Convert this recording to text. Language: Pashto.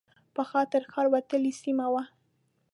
پخوا تر ښار وتلې سیمه وه.